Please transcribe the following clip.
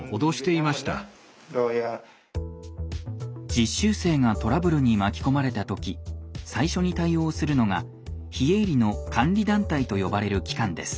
実習生がトラブルに巻き込まれた時最初に対応するのが非営利の監理団体と呼ばれる機関です。